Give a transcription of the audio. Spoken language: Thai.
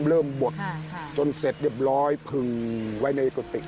บดจนเสร็จเรียบร้อยพึงไว้ในกุฏิ